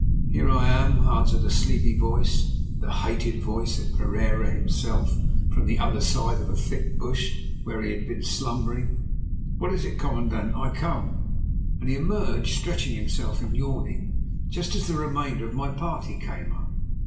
"Here I am," answered a sleepy voice, the hated voice of Pereira himself, from the other side of a thick bush, where he had been slumbering. "What is it, commandant? I come," and he emerged, stretching himself and yawning, just as the remainder of my party came up.